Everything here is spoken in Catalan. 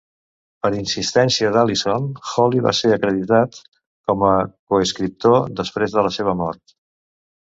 Per insistència d'Allison, Holly va ser acreditat com a coescriptor després de la seva mort.